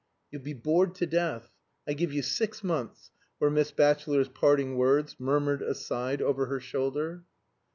"You'll be bored to death I give you six months," were Miss Batchelor's parting words, murmured aside over her shoulder.